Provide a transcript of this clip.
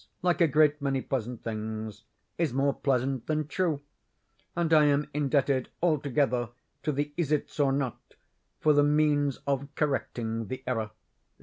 like a great many pleasant things, is more pleasant than true, and I am indebted altogether to the "Isitsöornot" for the means of correcting the error.